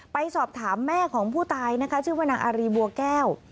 ไปสอบถามแม่ของผู้ตายนะคะชื่อว่านางอารีบัวแก้ว